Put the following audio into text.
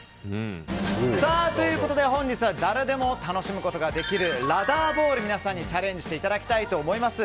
本日は誰でも楽しむことができるラダーボールを皆さんにチャレンジしていただきたいと思います。